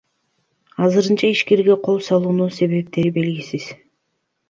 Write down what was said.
Азырынча ишкерге кол салуунун себептери белгисиз.